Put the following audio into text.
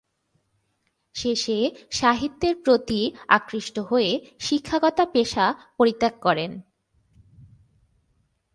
শেষে সাহিত্যের প্রতি আকৃষ্ট হয়ে শিক্ষকতা পেশা পরিত্যাগ করেন।